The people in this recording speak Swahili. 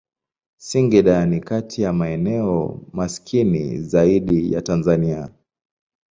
Singida ni kati ya maeneo maskini zaidi ya Tanzania.